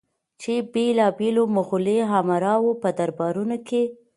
چې بېلابېلو مغولي امراوو په دربارونو کې